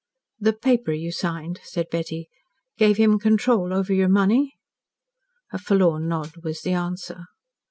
"The paper you signed," said Betty, "gave him control over your money?" A forlorn nod was the answer.